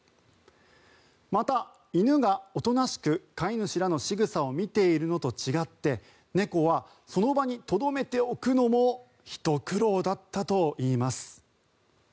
また、犬がおとなしく飼い主らのしぐさを見ているのと違って猫はその場にとどめておくのもひと苦労だったといいます。